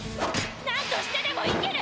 何としてでも生きる！